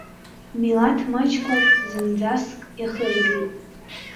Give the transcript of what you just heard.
Милаҭ маҷқәак зынӡаск иахыргеит.